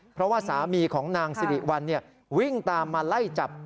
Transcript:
เพราะว่าสามีของนางสิริวัลวิ่งตามมาไล่จับ